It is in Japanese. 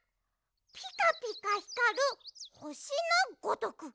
ピカピカひかるほしのごとく！